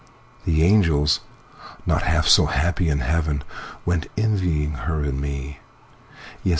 The angels, not half so happy in heaven, Went envying her and me; Yes!